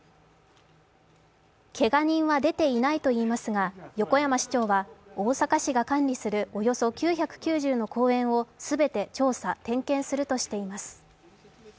けが人は出ていないといいますが横山市長は大阪市が管理するおよそ９９０の公園を全て調査・点検するとしています。